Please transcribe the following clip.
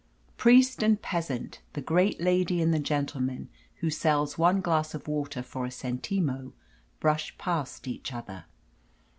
Priest and peasant, the great lady and the gentleman who sells one a glass of water for a centimo, brush past each other.